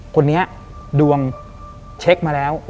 คนนี้ดวงเช็คมาแล้ว